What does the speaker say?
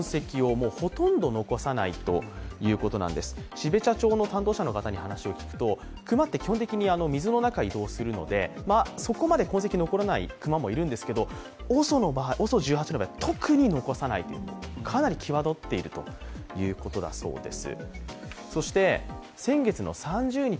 標茶町の担当者の方に話を聞くと、熊は基本的に水の中を移動するのでそこまで痕跡が残らないクマもいるんですがＯＳＯ１８の場合、特に残さない、かなり際立っているということだそうです。